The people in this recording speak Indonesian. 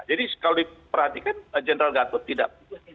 jadi kalau diperhatikan general gatot tidak